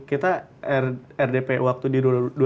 kita rdpu waktu di dua ribu dua puluh tiga